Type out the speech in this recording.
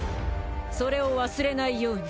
それを忘れないように。